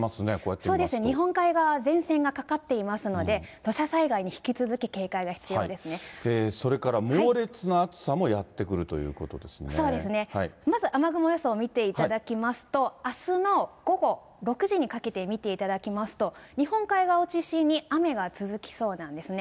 そうですね、日本海側、前線がかかっていますので、土砂災害それから猛烈な暑さもやってそうですね、まず雨雲予想を見ていただきますと、あすの午後６時にかけて見ていただきますと、日本海側を中心に、雨が続きそうなんですね。